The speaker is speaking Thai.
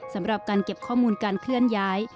สำหรับการเก็บข้อมูลการเคลื่อนย้าย